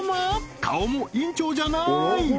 顔も院長じゃない！